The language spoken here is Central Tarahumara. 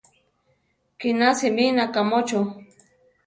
Kiná simí, nakámocho!